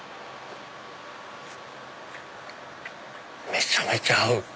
めちゃめちゃ合う！